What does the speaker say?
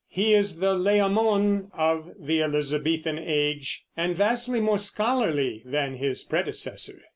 He is the Layamon of the Elizabethan Age, and vastly more scholarly than his predecessor.